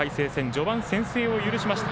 序盤先制を許しました。